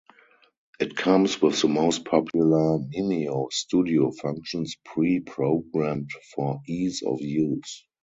It comes with the most popular Mimio studio functions pre-programmed for ease of use.